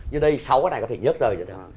như đây sáu cái này có thể nhấc ra